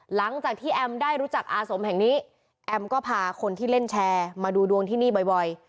หลังจากที่แอมได้รู้จักอาสมแห่งนี้แอมก็พาคนที่เล่นแชร์มาดูดวงที่นี่บ่อย